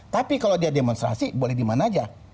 tapi kalau dia demonstrasi boleh dimana aja